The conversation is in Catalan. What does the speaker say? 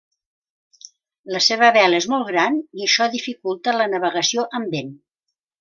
La seva vela és molt gran i això dificulta la navegació amb vent.